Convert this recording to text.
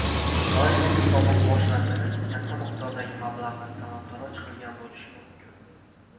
Malayziyaning sobiq bosh vaziri katta miqdordagi mablag‘ni talon-taroj qilgan bo‘lishi mumkin